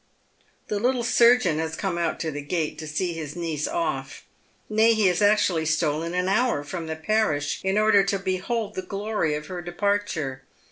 The little surgeon has come out to the gate to see his niece off. Nay, he has actually stolen an hour from the parish in order to behold the glory of her departure.